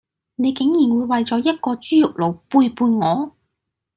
你竟然會為咗一個豬肉佬背叛我